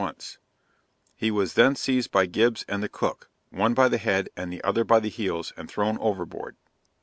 once; he was then seized by Gibbs and the cook, one by the head and the other by the heels, and thrown overboard.